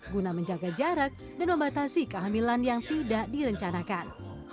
guna menjaga jarak dan membatasi kehamilan yang tidak direncanakan